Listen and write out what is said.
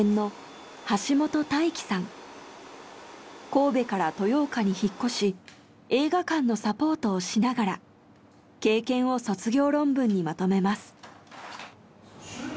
神戸から豊岡に引っ越し映画館のサポートをしながら経験を卒業論文にまとめます。